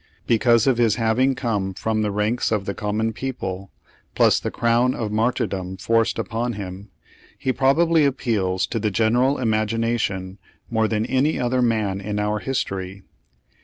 Be cause of his having come from the ranks of the common people, plus the crown of martyrdom forced upon him, he probably appeals to the gen eral imagination more than any other man in our history.